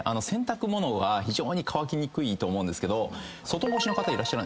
洗濯物は非常に乾きにくいと思うんですけど外干しの方。